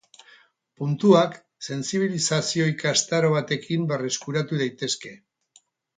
Puntuak sentsibilizazio ikastaro batekin berreskuratu daitezke.